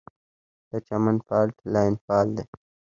د چمن فالټ لاین فعال دی